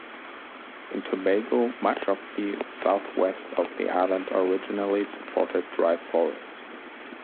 In Tobago much of the southwest of the island originally supported dry forests.